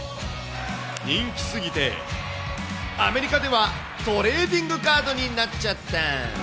人気すぎて、アメリカではトレーディングカードになっちゃった。